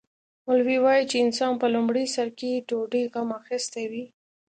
مولوي وايي چې انسان په لومړي سر کې ډوډۍ غم اخیستی وي.